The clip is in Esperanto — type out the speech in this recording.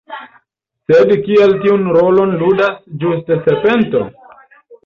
Sed kial tiun rolon ludas ĝuste serpento?